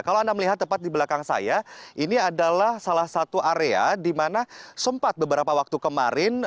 kalau anda melihat tepat di belakang saya ini adalah salah satu area di mana sempat beberapa waktu kemarin